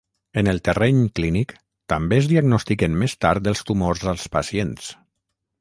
En el terreny clínic, també es diagnostiquen més tard els tumors als pacients.